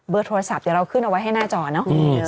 โทรศัพท์เดี๋ยวเราขึ้นเอาไว้ให้หน้าจอเนอะ